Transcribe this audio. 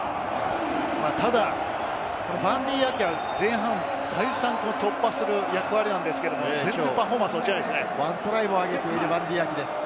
ただバンディー・アキは前半、再三突破する役割なんですけれど、全然パフォーマンスが落ちないですね。